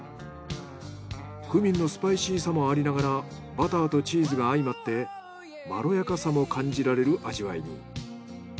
クミンのスパイシーさもありながらバターとチーズが相まってまろやかさも感じられる味わいに。